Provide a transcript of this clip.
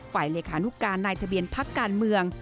ฝ่ายเหลคานุการณ์ในทะเบียนพักการเมือง